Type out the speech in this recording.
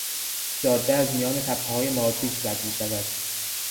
جاده از میان تپههای مارپیچ رد میشود.